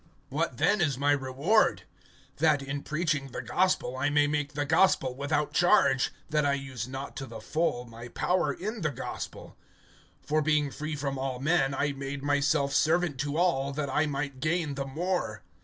(18)What then is my reward? That, in preaching the gospel, I may make the gospel without charge, that I use not to the full my power in the gospel. (19)For being free from all men, I made myself servant to all, that I might gain the more.